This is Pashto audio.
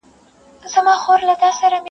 زر کلونه څه مستی څه خمار یووړل-